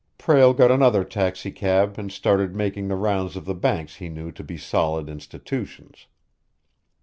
Prale got another taxicab and started making the rounds of the banks he knew to be solid institutions.